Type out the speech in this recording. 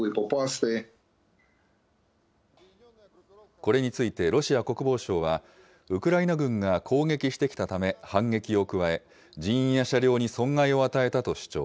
これについてロシア国防省は、ウクライナ軍が攻撃してきたため、反撃を加え、人員や車両に損害を与えたと主張。